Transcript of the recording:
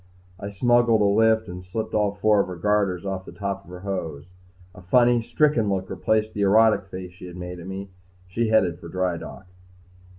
I smuggled a lift and slipped all four of her garters off the tops of her hose. A funny, stricken look replaced the erotic face she had made at me. She headed for dry dock.